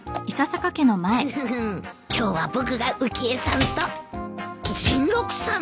フフフ今日は僕が浮江さんと甚六さん！